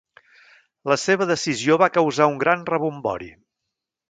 La seva decisió va causar un gran rebombori.